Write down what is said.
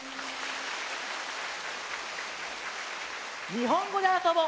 「にほんごであそぼ」